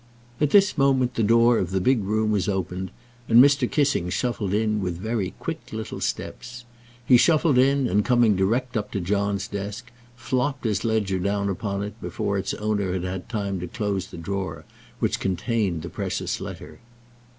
At this moment the door of the big room was opened, and Mr. Kissing shuffled in with very quick little steps. He shuffled in, and coming direct up to John's desk, flopped his ledger down upon it before its owner had had time to close the drawer which contained the precious letter.